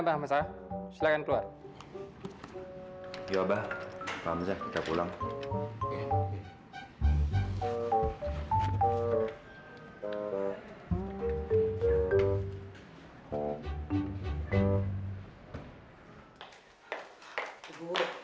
benar atau si asma diculik